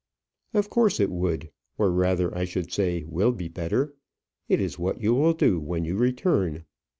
"Of course it would or rather, I should say, will be better. It is what you will do when you return."